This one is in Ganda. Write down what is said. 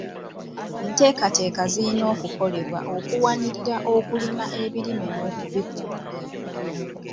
Enteekateeka zirina okukolebwa okulwanirira okulima ebirime n'okubikuuma.